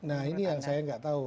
nah ini yang saya nggak tahu